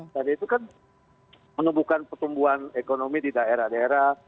dan itu kan menumbuhkan pertumbuhan ekonomi di daerah daerah